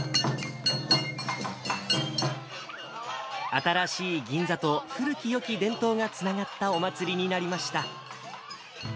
新しい銀座と古きよき伝統がつながったお祭りになりました。